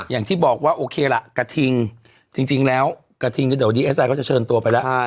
อย่างที่บอกว่าโอเคล่ะกระทิงจริงแล้วกระทิงก็เดี๋ยวดีเอสไอก็จะเชิญตัวไปแล้ว